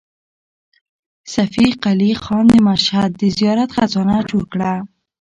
صفي قلي خان د مشهد د زیارت خزانه چور کړه.